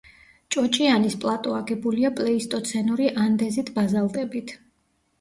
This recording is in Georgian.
ჭოჭიანის პლატო აგებულია პლეისტოცენური ანდეზიტ-ბაზალტებით.